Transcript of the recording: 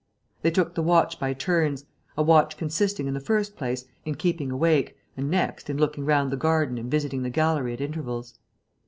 They took the watch by turns, a watch consisting, in the first place, in keeping awake and, next, in looking round the garden and visiting the gallery at intervals.